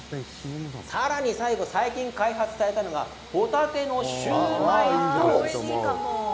さらに最後最近、開発されたのがホタテのシューマイです。